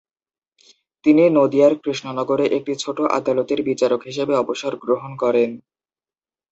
তিনি নদিয়ার কৃষ্ণনগরে একটি ছোট আদালতের বিচারক হিসাবে অবসর গ্রহণ করেন।